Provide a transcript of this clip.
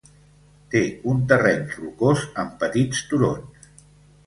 Té un terreny rocós amb petits turons.